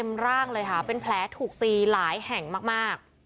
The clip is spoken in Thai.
ร่างเลยค่ะเป็นแผลถูกตีหลายแห่งมาก